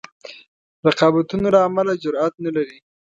رقابتونو له امله جرأت نه لري.